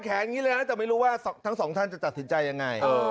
แขนอย่างนี้เลยอาจจะไม่รู้ว่าทั้งสองท่านจะตัดสินใจอย่างไร